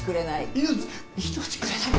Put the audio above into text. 命「命くれない」